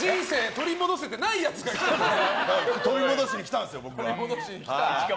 取り戻しに来たんですよ僕が。